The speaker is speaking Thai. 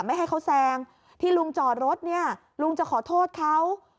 ไม่ให้เขาแซงที่ลุงจอดรถเนี่ยลุงจะขอโทษเขา